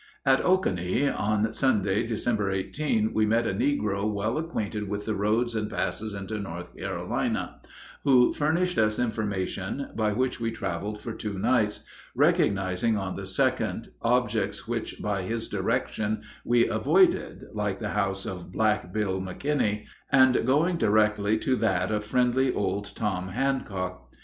At Oconee, on Sunday, December 18, we met a negro well acquainted with the roads and passes into North Carolina, who furnished us information by which we traveled for two nights, recognizing on the second objects which by his direction we avoided (like the house of Black Bill McKinney), and going directly to that of friendly old Tom Handcock.